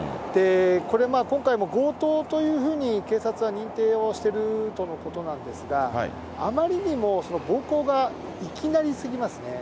これ、今回も強盗というふうに警察は認定をしてるとのことなんですが、あまりにも暴行がいきなりすぎますね。